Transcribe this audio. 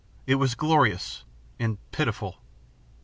It was glorious and... pitiful.